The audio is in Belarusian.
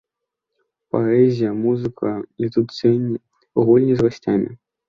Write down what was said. Паэзія, музыка, летуценні, гульні з гасцямі!